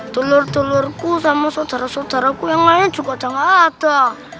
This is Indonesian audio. telur telurku sama sodara sodaraku yang lainnya juga udah gak ada